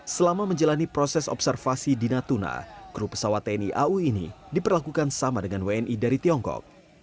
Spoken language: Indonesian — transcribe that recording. selama menjalani proses observasi di natuna kru pesawat tni au ini diperlakukan sama dengan wni dari tiongkok